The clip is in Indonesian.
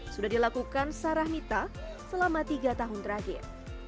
sudah dilakukan sarah mita selama tiga tahun terakhir